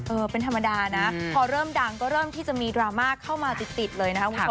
เออเป็นธรรมดานะพอเริ่มดังก็เริ่มที่จะมีดราม่าเข้ามาติดเลยนะครับคุณผู้ชม